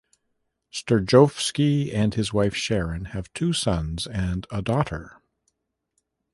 Sterjovski and his wife Sharon have two sons and a daughter.